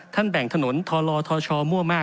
ท่านแบ่งถนนทอลอทอชอมั่วมาก